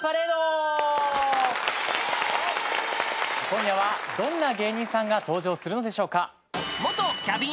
今夜はどんな芸人さんが登場するのでしょうか？